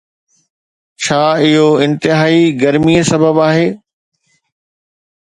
ڇا اهو انتهائي گرمي سبب آهي.